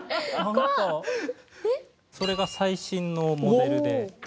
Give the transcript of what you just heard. それが最新のモデルで。